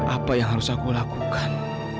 apa yang harus aku lakukan